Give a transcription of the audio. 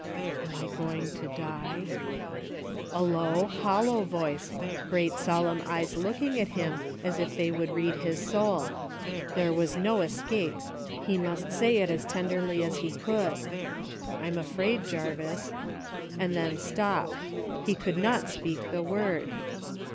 " Am I going to die .'" A low, hollow voice, great solemn eyes looking at him as if they would read his soul. There was no escape ; he must say as tenderly as he could, " I'm afraid, Jarvis — "and then stop; he could not speak the word.